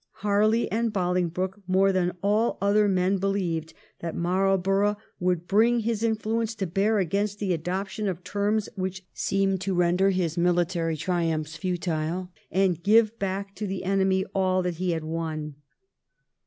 Harley and Bolingbroke, more than all other men, believed that Marlborough would bring his influence to bear against the adoption of terms which seemed to render his military triumphs futile and give back to the enemy aU that he had won.